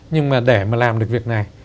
nhưng mà để mà làm được việc này